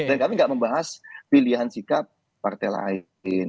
dan kami nggak membahas pilihan sikap partai lain